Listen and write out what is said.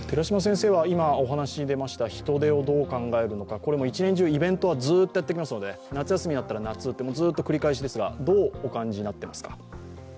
今、人出をどう考えるか、これも一年中イベントはずっとやっていきますので夏休みになったら夏、ずっと繰り返しですが、どうお感じになっていますか？